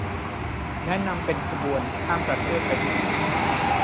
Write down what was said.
แนะนำเป็นขบวนข้ามประเทศไปถึง